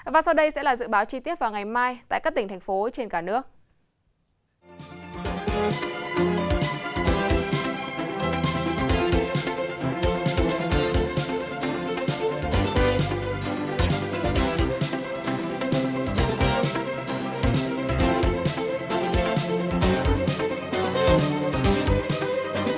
và sau đây sẽ là dự báo chi tiết vào ngày mai tại các tỉnh thành phố trên cả nước